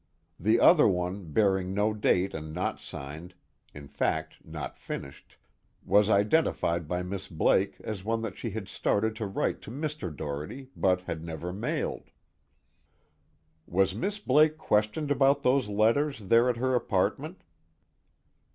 The other one, bearing no date and not signed in fact not finished was identified by Miss Blake as one that she had started to write to Mr. Doherty, but had never mailed." "Was Miss Blake questioned about those letters, there at her apartment?"